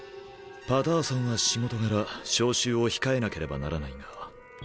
パターソンは仕事柄招集を控えなければならないが。